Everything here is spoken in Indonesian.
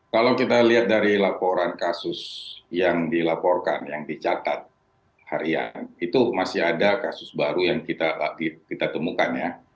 kalau kita lihat dari laporan kasus yang dilaporkan yang dicatat harian itu masih ada kasus baru yang kita temukan ya